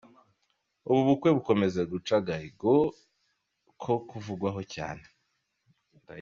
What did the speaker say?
Ubu bukwe bukomeje guca agahigo ko kuvugwaho cyane.